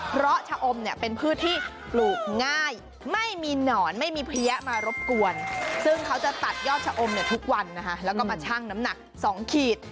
เพราะชะอมเนี่ยเป็นพืชที่ปลูกง่ายไม่มีหนอนไม่พลี้ะมารบกวนซึ่งเขาจะตัดยอดชะอมเนี่ยทุกวันนะคะ